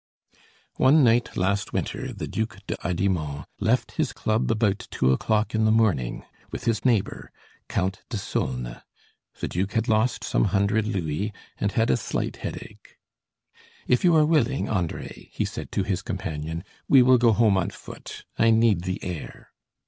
One night last winter, the Duc de Hardimont left his club about two o'clock in the morning, with his neighbor, Count de Saulnes; the duke had lost some hundred louis, and had a slight headache. "If you are willing, André," he said to his companion, "we will go home on foot I need the air."